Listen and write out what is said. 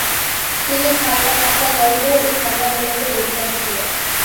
তিনি হাল্কা-পাতলা গড়নের ও ঠাণ্ডা মেজাজের অধিকারী ছিলেন।